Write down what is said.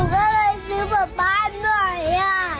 หนูก็เลยซื้อป๊าป๊าหน่อย